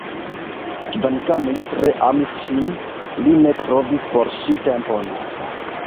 Kvankam li tre amis ŝin, li ne trovis por ŝi tempon.